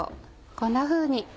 こんなふうに。